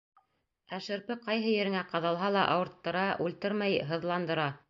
Ә шырпы ҡайһы ереңә ҡаҙалһа ла ауырттыра, үлтермәй, һыҙландыра...